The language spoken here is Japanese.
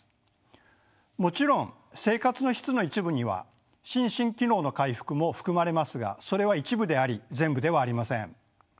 もちろん生活の質の一部には心身機能の回復も含まれますがそれは一部であり全部ではありません。